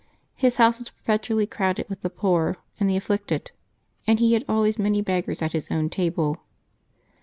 His house was perpetually crowded with the poor and the af flicted, and he had always many beggars at his own table.